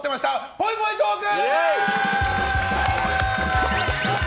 ぽいぽいトーク！